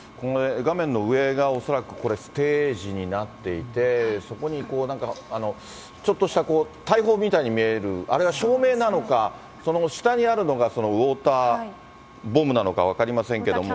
画面の上が恐らくステージになっていて、そこになんか、ちょっとした大砲みたいに見える、あれが照明なのか、その下にあるのがそのウォーターボムなのか、分かりませんけれども。